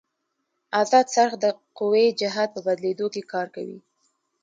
ازاد څرخ د قوې جهت په بدلېدو کې کار کوي.